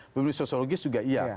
pemilih sosiologis juga iya